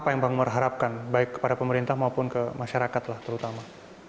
apa yang bang umar harapkan baik kepada pemerintah maupun ke masyarakat lah terutama